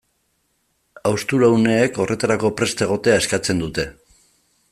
Haustura uneek horretarako prest egotea eskatzen dute.